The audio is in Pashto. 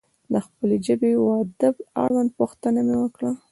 د خپلې ژبې و ادب اړوند پوښتنه مې وکړه.